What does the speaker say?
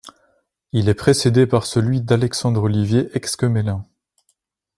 Il est précédé par celui d'Alexandre-Olivier Exquemelin.